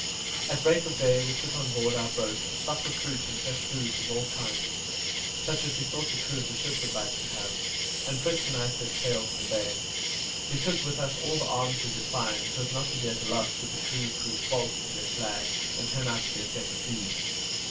At break of day we put on board our boat a stock of fruit and fresh food of all kinds, such as we thought the crew of the ship would like to have, and Fritz and I set sail for the bay. We took with us all the arms we could find, so as not to be at a loss should the crew prove false to their flag, and turn out to be a set of thieves.